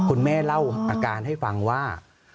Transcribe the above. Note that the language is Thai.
แม่เล่าอาการให้ฟังว่า